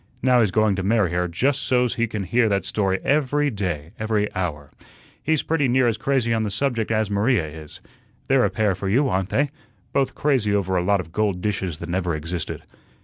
Now he's going to marry her just so's he can hear that story every day, every hour. He's pretty near as crazy on the subject as Maria is. They're a pair for you, aren't they? Both crazy over a lot of gold dishes that never existed.